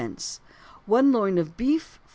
one loin of beef, 4d.